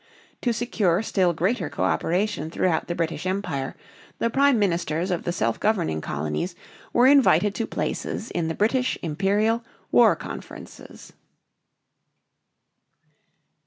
To secure still greater coöperation throughout the British Empire, the prime ministers of the self governing colonies were invited to places in the British imperial war conferences.